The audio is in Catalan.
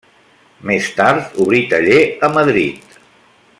Més tard obrí taller a Madrid.